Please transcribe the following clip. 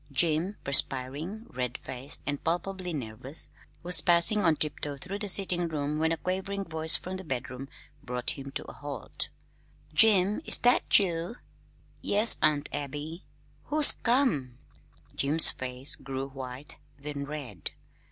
Jim, perspiring, red faced, and palpably nervous, was passing on tiptoe through the sitting room when a quavering voice from the bedroom brought him to a halt. "Jim, is that you?" "Yes, Aunt Abby." "Who's come?" Jim's face grew white, then red.